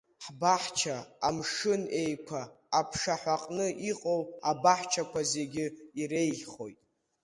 Ҳбаҳча Амшын Еиқәа аԥшаҳәаҟны иҟоу абаҳчақәа зегьы иреиӷьхоит.